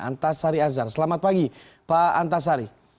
antasari azhar selamat pagi pak antasari